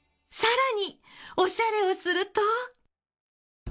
更におしゃれをすると。